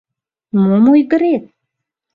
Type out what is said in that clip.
— Мом ойгырет?